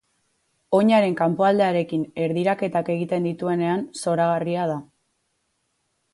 Oinaren kanpoaldearekin erdiraketak egiten dituenean, zoragarria da.